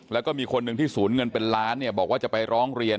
แล้วก็มีคนหนึ่งที่ศูนย์เงินเป็นล้านเนี่ยบอกว่าจะไปร้องเรียน